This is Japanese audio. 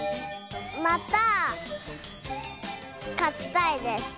またかちたいです。